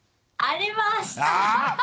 ありました。